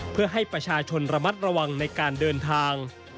เพื่อให้ประชาชนระมัดระวังในการเดินทาง